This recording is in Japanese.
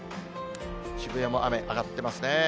渋谷も雨、上がってますね。